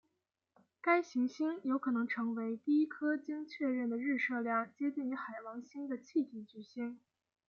该行星有可能成为第一颗经确认的日射量接近于海王星的气体巨星。